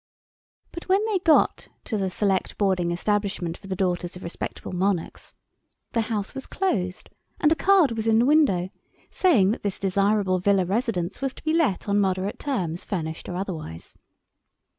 But when they got to the Select Boarding Establishment for the Daughters of Respectable Monarchs, the house was closed, and a card was in the window, saying that this desirable villa residence was to be let on moderate terms, furnished or otherwise.